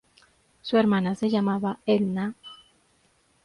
Su hermana se llamaba Edna.